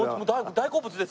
大好物です。